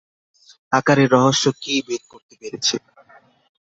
আকারের রহস্য কে ভেদ করতে পেরেছে?